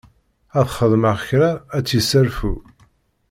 Ad xedmeɣ kra ad tt-yesserfu.